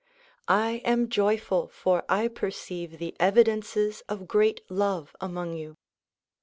I am joyful for I perceive the evidences of great love among you.